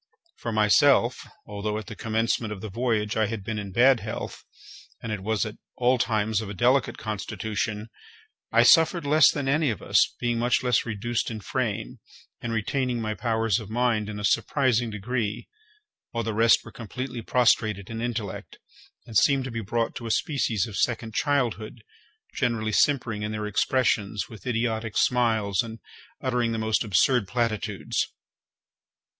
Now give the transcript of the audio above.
For myself, although at the commencement of the voyage I had been in bad health, and was at all times of a delicate constitution, I suffered less than any of us, being much less reduced in frame, and retaining my powers of mind in a surprising degree, while the rest were completely prostrated in intellect, and seemed to be brought to a species of second childhood, generally simpering in their expressions, with idiotic smiles, and uttering the most absurd platitudes.